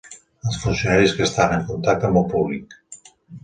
Els funcionaris que estan en contacte amb el públic.